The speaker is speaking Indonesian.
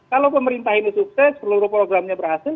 kalau pemerintah ini sukses seluruh programnya berhasil